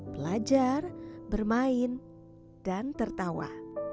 belajar bermain dan tertawa